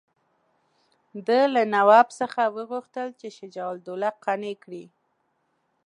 ده له نواب څخه وغوښتل چې شجاع الدوله قانع کړي.